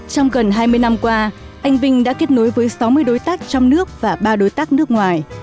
trong gần hai mươi năm qua anh vinh đã kết nối với sáu mươi đối tác trong nước và ba đối tác nước ngoài